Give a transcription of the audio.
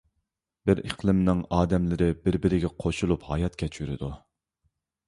بىر ئىقلىمنىڭ ئادەملىرى بىر - بىرىگە قوشۇلۇپ ھايات كەچۈرىدۇ.